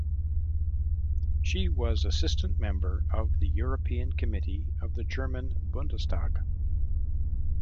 She was assistant member of the European committee of the German Bundestag.